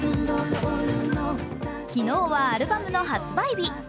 昨日はアルバムの発売日。